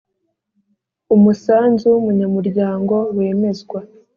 Umusanzu w umunyamuryango wemezwa